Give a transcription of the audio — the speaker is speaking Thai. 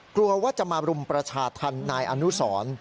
กลัวว่าจะมารุมประชาธรรมนายอนุสร